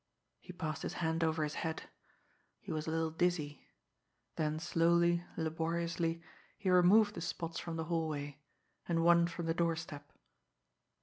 He passed his hand over his head he was a little dizzy. Then slowly, laboriously, he removed the spots from the hallway and one from the doorstep.